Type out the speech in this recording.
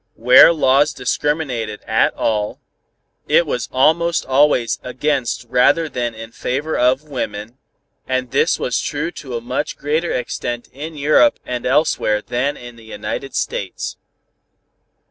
Where laws discriminated at all, it was almost always against rather than in favor of women; and this was true to a much greater extent in Europe and elsewhere than in the United States.